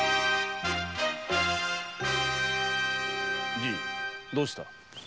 じぃどうした？